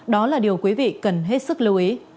đó là điều quý vị cần hết sức lưu ý